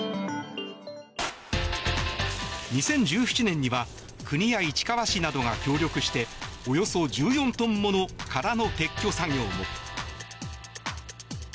２０１７年には国や市川市などが協力しておよそ１４トンもの殻の撤去作業も。